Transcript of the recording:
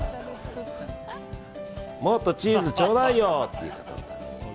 もっとチーズちょうだいよ！って方のために。